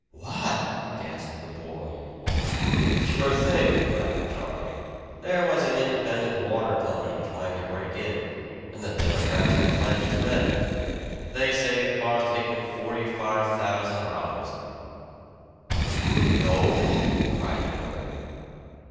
"What!" gasped the boy in horror. "Sure thing," laughed Charlie "there was an independent water company trying to break in, and the Democrats were pledged to them. They say it cost Hickman forty five thousand dollars." "But do you KNOW that?" cried the other.